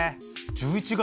１１月？